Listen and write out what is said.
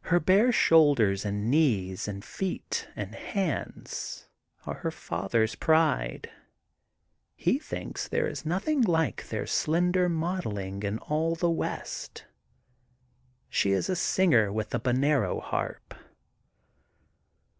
Her bare shoulders and knees and feet and hands are her father's pride. He thinks there is nothing like their slender modelling in all the west. She is a singer with the Borneo harp.